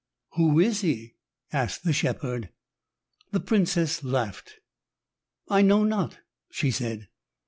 "Who is he?" asked the shepherd. The princess laughed. "I know not," she said.